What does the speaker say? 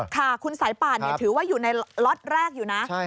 ค่ะคุณสายป่านถือว่าอยู่ในล็อตแรกอยู่นะ